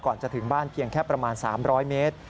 จะถึงบ้านเพียงแค่ประมาณ๓๐๐เมตร